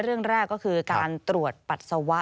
เรื่องแรกก็คือการตรวจปัสสาวะ